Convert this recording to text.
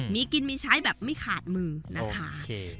มีกินมีใช้แบบไม่ขาดมือนะคะ